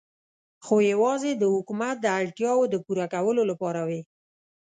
خو یوازې د حکومت د اړتیاوو د پوره کولو لپاره وې.